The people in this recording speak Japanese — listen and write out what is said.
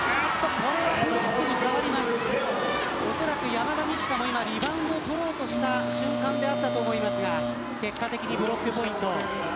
おそらく山田二千華はリバウンドを取ろうとした瞬間であったと思いますが結果的にブロックポイント。